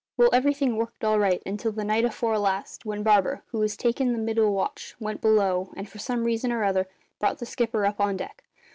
Well, everything worked all right until the night afore last, when Barber, who was takin' the middle watch, went below and, for some reason or another, brought the skipper up on deck.